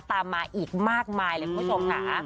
ตามมาอีกมากมายเลยคุณผู้ชมค่ะ